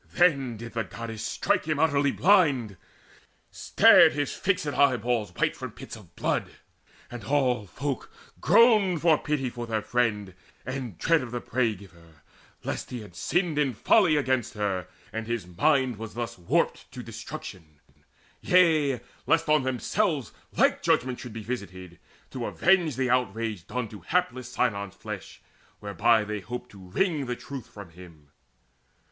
Then did the Goddess strike him utterly blind. Stared his fixed eyeballs white from pits of blood; And all folk groaned for pity of their friend, And dread of the Prey giver, lest he had sinned In folly against her, and his mind was thus Warped to destruction yea, lest on themselves Like judgment should be visited, to avenge The outrage done to hapless Sinon's flesh, Whereby they hoped to wring the truth from him.